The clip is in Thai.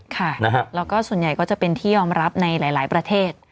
ค่ะแล้วก็ส่วนใหญ่ก็จะเป็นที่ยอมรับในหลายประเทศ